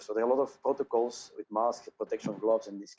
jadi ada banyak protokol dengan masker blok perlindungan dan hal hal seperti itu